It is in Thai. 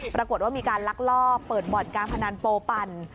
ปรากฏว่ามีการลักลอบเปิดบ่อนการพนันโปปั่น